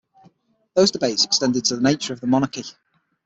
Those debates extended to the nature of the monarchy.